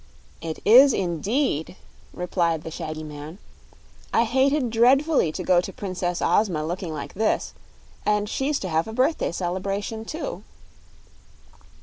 "It is, indeed," replied the shaggy man. "I hated dreadfully to go to Princess Ozma looking like this; and she's to have a birthday celebration, too."